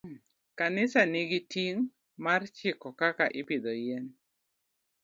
Kanisa nigi ting' mar chiko kaka ipidho yien